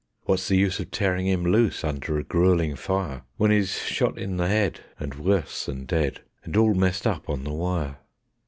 What's the use of tearing him loose under a gruelling fire, When he's shot in the head, and worse than dead, and all messed up on the wire?